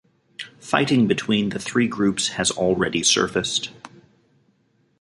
Fighting between the three groups has already surfaced.